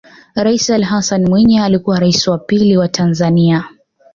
Rais Ali Hassan Mwinyi alikuwa Rais wa pili wa Tanzania